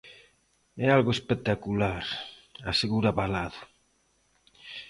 É algo espectacular, asegura Valado.